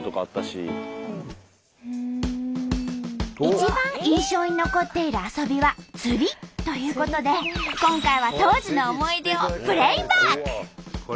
一番印象に残っている遊びは釣りということで今回は当時の思い出をプレイバック！